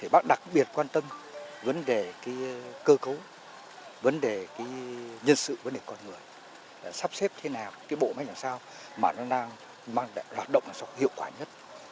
bác đặc biệt quan tâm vấn đề cơ cấu vấn đề nhân sự vấn đề con người sắp xếp thế nào cái bộ máy làm sao mà nó đang hoạt động làm sao hiệu quả nhất